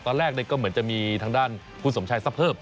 ตอนแรกก็เหมือนจะมีทางด้านคุณสมชายซะเพิ่ม